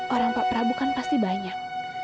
orang pak prabu kan pasti banyak